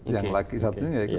yang laki satu enggak ikut